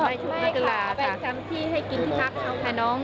ไม่ค่ะเร่งทั้งที่ให้กินที่พัก